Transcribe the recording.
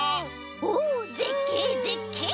おぜっけいぜっけい！